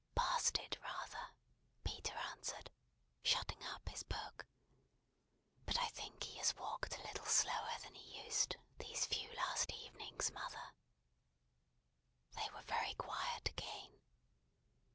"Past it rather," Peter answered, shutting up his book. "But I think he has walked a little slower than he used, these few last evenings, mother." They were very quiet again.